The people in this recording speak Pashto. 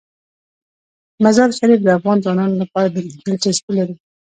مزارشریف د افغان ځوانانو لپاره دلچسپي لري.